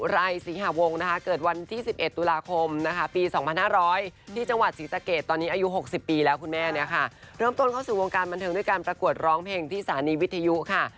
เริ่มต้นเข้าสู่วงการบันเทิงด้วยการประกวดร้องเพลงที่สานีวิทยุค่ะ